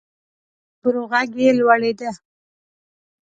د خبرو غږ یې لوړیده.